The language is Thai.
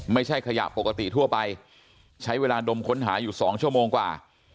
ไม่ใช่ขยะปกติทั่วไปใช้เวลาดมค้นหาอยู่๒ชั่วโมงกว่า